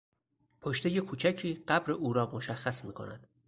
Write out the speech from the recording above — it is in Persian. پشتهی کوچکی قبر اورا مشخص میکند.